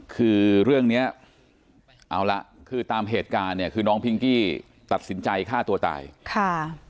คือเรื่องเนี้ยเอาละคือตามเหตุการณ์เนี่ยคือน้องพิงกี้ตัดสินใจฆ่าตัวตายค่ะ